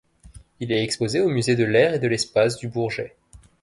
Il est exposé au Musée de l'Air et de l'Espace du Bourget.